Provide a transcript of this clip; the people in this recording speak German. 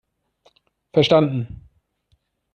Verstanden!